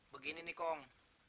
begini nih kong